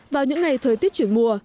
vào những ngày thời tiết chuyển mùa